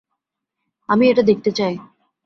আমি এটা দেখতে চাই।